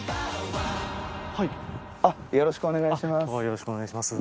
よろしくお願いします。